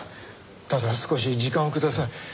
ただ少し時間をください。